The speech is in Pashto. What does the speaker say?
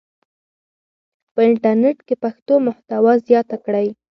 په انټرنیټ کې پښتو محتوا زیاته کړئ.